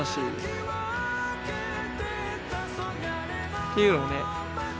っていうのをね